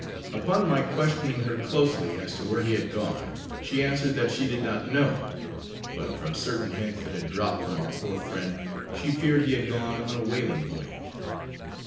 Upon my questioning her closely, as to where he had gone, she answered, that she did not know, but from certain hints that had dropped from our poor friend, she feared he had gone on a whaling voyage.